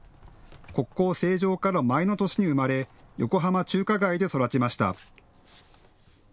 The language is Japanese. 国交正常化の前の年に生まれ横浜中華街で育ちました。